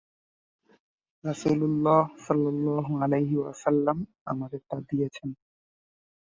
রাসূলুল্লাহ সাল্লাল্লাহু আলাইহি ওয়াসাল্লাম আমাদের তা দিয়েছেন।